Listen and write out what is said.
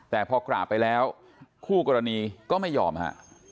แต่พอกราบไปแล้วคู่กรณีก็ไม่ยอมฮะ